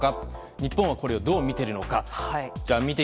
日本はこれをどう見ているのか。